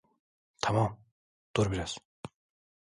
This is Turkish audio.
Tamam, dur biraz.